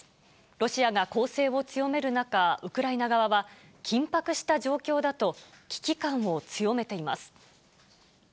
ロシアが攻勢を強める中、ウクライナ側は緊迫した状況だと危機感を強めています。